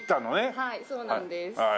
はいそうなんです。